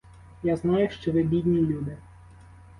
Я знаю, що ви бідні люди.